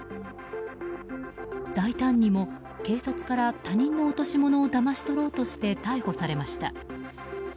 大胆にも警察から他人の落とし物をだまし取ろうとして逮捕されました。